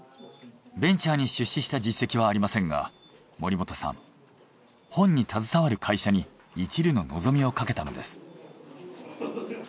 ベンチャーに出資した実績はありませんが森本さん本に携わる会社にいちるの望みをかけたのです。